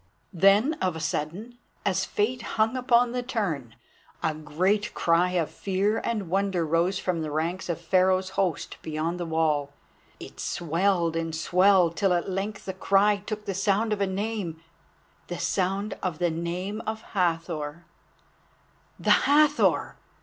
Then of a sudden, as Fate hung upon the turn, a great cry of fear and wonder rose from the ranks of Pharaoh's host beyond the wall. It swelled and swelled till at length the cry took the sound of a name—the sound of the name of Hathor. "The Hathor!